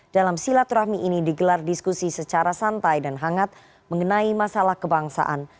dalam silaturahmi ini digelar diskusi secara santai dan hangat mengenai masalah kebangsaan